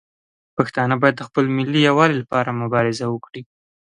پښتانه باید د خپل ملي یووالي لپاره مبارزه وکړي.